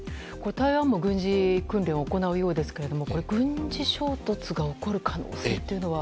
台湾も軍事訓練を行うようですが軍事衝突が起こる可能性というのは？